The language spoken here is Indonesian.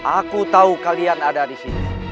aku tahu kalian ada di sini